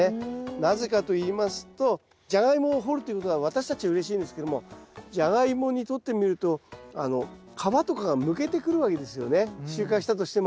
なぜかと言いますとジャガイモを掘るということは私たちうれしいんですけどもジャガイモにとってみると皮とかがむけてくるわけですよね収穫したとしても。